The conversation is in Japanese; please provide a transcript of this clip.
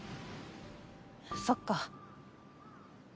そっか。